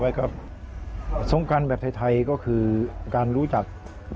กับสงการแบบไทยก็คือการรู้จัก